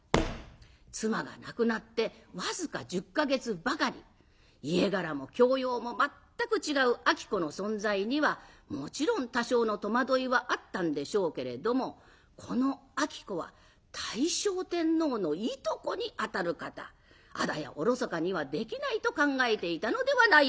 妻が亡くなって僅か１０か月ばかり家柄も教養も全く違う子の存在にはもちろん多少の戸惑いはあったんでしょうけれどもこの子は大正天皇のいとこにあたる方あだやおろそかにはできないと考えていたのではないでしょうか。